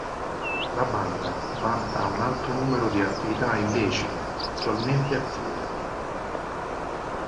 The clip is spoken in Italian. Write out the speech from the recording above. La banda vanta un alto numero di attività illecite attualmente attive.